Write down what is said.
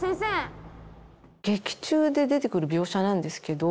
劇中で出てくる描写なんですけど。